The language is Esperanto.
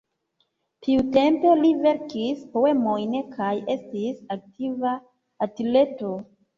Tiutempe li verkis poemojn kaj estis aktiva atleto.